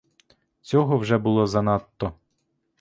Цього вже було занадто.